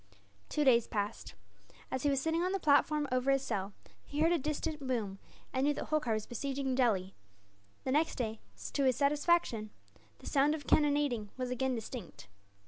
Two days passed. As he was sitting on the platform over his cell, he heard a distant boom, and knew that Holkar was besieging Delhi. The next day, to his satisfaction, the sound of cannonading was again distinct.